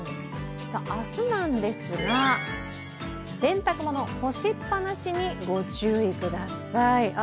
明日なんですが、洗濯物干しっぱなしにご注意ください。